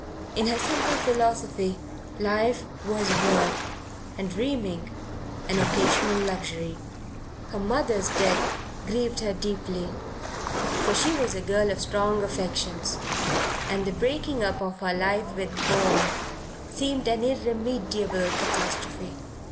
In her simple philosophy life was work, and dreaming an occasional luxury. Her mother's death grieved her deeply, for she was a girl of strong affections, and the breaking up of her life with Paul seemed an irremediable catastrophe.